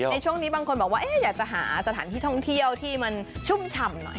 ในช่วงนี้บางคนบอกว่าอยากจะหาสถานที่ท่องเที่ยวที่มันชุ่มฉ่ำหน่อย